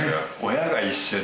親が一緒に。